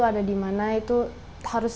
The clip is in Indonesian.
ada di mana itu harus